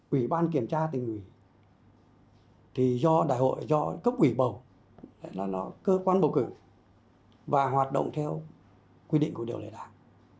ủy ban kiểm tra thì do đại hội do cấp quỷ bầu cơ quan bầu cử và hoạt động theo quy định của điều này